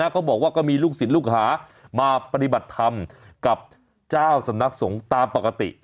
เขาบอกว่าก็มีลูกศิษย์ลูกหามาปฏิบัติธรรมกับเจ้าสำนักสงฆ์ตามปกติ